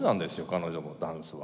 彼女のダンスは。